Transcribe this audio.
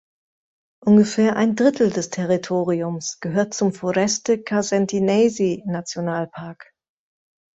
Ungefähr ein Drittel des Territoriums gehört zum Foreste-Casentinesi-Nationalpark.